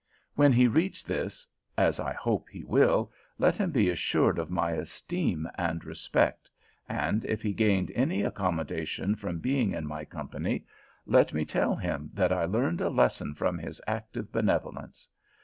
When he reads this, as I hope he will, let him be assured of my esteem and respect; and if he gained any accommodation from being in my company, let me tell him that I learned a lesson from his active benevolence.